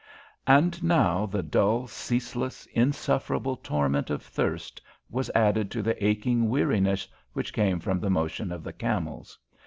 And now the dull, ceaseless, insufferable torment of thirst was added to the aching weariness which came from the motion of the camels.